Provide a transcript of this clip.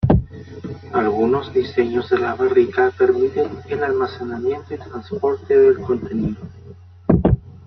Algunos diseños de la barrica permiten el almacenamiento y el transporte del contenido.